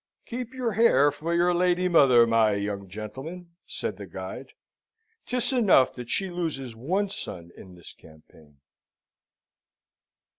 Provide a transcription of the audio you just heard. "Keep your hair for your lady mother, my young gentleman," said the guide. "'Tis enough that she loses one son in this campaign."